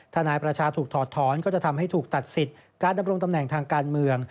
นายประชาถูกถอดถอนก็จะทำให้ถูกตัดสิทธิ์การดำรงตำแหน่งทางการเมือง